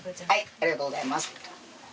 ありがとうございます。